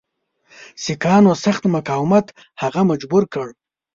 سیکهانو سخت مقاومت هغه مجبور کړ.